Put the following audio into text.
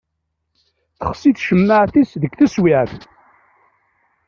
Texṣi tcemmaεt-is deg teswiεt.